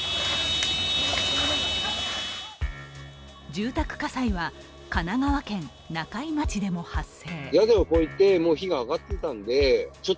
住宅火災は神奈川県中井町でも発生。